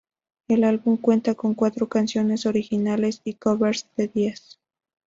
El álbum cuenta con cuatro canciones originales y covers de diez.